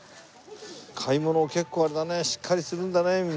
買い物結構あれだねしっかりするんだねみんなね。